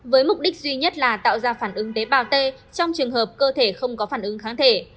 với mục đích duy nhất là tạo ra phản ứng tế bào t trong trường hợp cơ thể không có phản ứng kháng thể